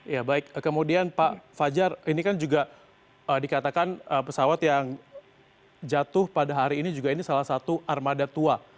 ya baik kemudian pak fajar ini kan juga dikatakan pesawat yang jatuh pada hari ini juga ini salah satu armada tua